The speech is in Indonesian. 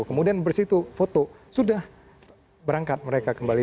kemudian bersitu foto sudah berangkat mereka kembali